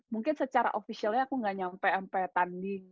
mungkin secara officialnya aku gak nyampe mpp tanding